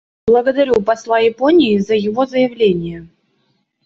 Благодарю посла Японии за его заявление.